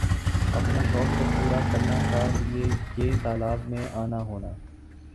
اپنا شوق کوپورا کرنا کا لئے یِہ تالاب میں آنا ہونا